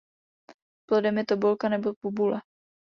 Plodem je tobolka nebo bobule.